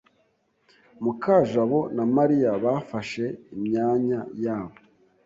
Mukajabo na Mariya bafashe imyanya yabo.